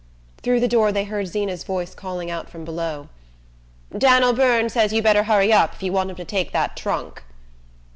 Through the door they heard Zeena's voice calling out from below: "Dan'l Byrne says you better hurry up if you want him to take that trunk."